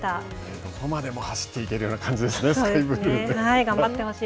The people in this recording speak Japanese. どこまでも走っていけるような感じですね、スカイブルーは。